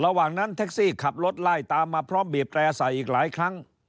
ระหว่างนั้นแท็กซี่ขับรถไล่ตามมาพร้อมบีบแตร่ใส่อีกหลายครั้ง